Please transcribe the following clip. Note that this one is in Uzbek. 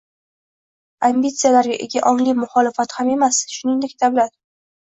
ambitsiyalarga ega ongli muxolifat ham emas, shuningdek, davlat